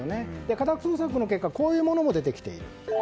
家宅捜索の結果こういうものも出てきている。